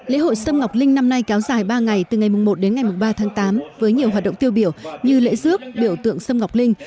lễ hội sâm ngọc linh năm nay kéo dài ba ngày từ ngày một đến ngày ba tháng tám với nhiều hoạt động tiêu biểu như lễ dước biểu tượng sâm ngọc linh